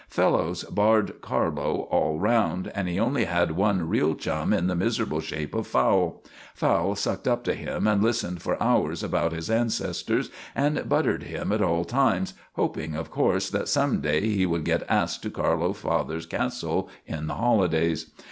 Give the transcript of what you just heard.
Fellows barred Carlo all round, and he only had one real chum in the miserable shape of Fowle. Fowle sucked up to him and listened for hours about his ancestors, and buttered him at all times, hoping, of course, that some day he would get asked to Carlo's father's castle in the holidays.